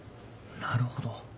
なるほど。